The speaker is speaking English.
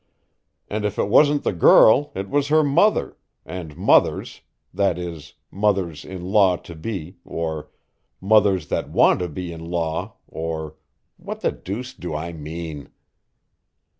And if it wasn't the girl it was her mother, and mothers, that is mothers in law to be or mothers that want to be in law or what the deuce do I mean?"